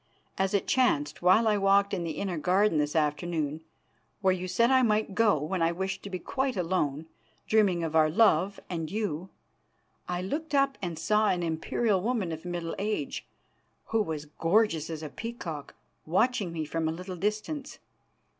As it chanced while I walked in the inner garden this afternoon, where you said I might go when I wished to be quite alone, dreaming of our love and you, I looked up and saw an imperial woman of middle age, who was gorgeous as a peacock, watching me from a little distance.